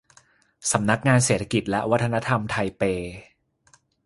สำนักงานเศรษฐกิจและวัฒนธรรมไทเป